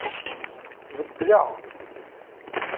Beddleɣ.